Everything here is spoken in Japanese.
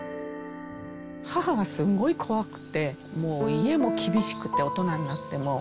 母がすんごい怖くて、もう家も厳しくて、大人になっても。